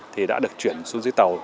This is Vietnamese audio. thì đã được chuyển xuống dưới tàu